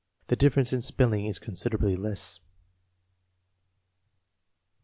The difference in spelling is consid erably less.